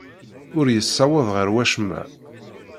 Ur yessaweḍ ɣer wacemma.